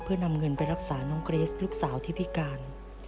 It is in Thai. เพื่อนำเงินไปรักษาน้องเกรสลูกสาวที่พิการ